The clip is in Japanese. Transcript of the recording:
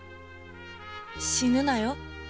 死ぬなよ。